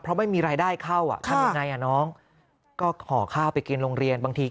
เพราะไม่มีรายได้เข้าน้องก็ขอข้าวไปกินโรงเรียนบางที